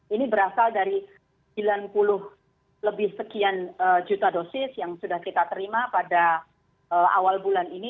ini berasal dari sembilan puluh lebih sekian juta dosis yang sudah kita terima pada awal bulan ini